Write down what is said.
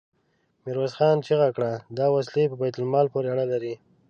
ميرويس خان چيغه کړه! دا وسلې په بيت المال پورې اړه لري.